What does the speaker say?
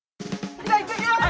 じゃあいってきます！